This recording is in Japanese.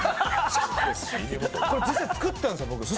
実際、作ったんです、僕。